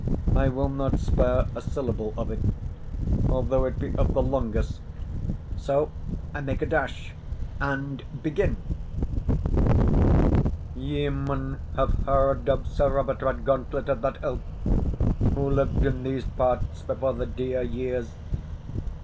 I will not spare a syllable of it, although it be of the longest; so I make a dash and begin: Ye maun have heard of Sir Robert Redgauntlet of that ilk, who lived in these parts before the dear years.